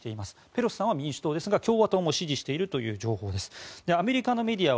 ペロシさんは民主党ですが共和党も支持しているということです。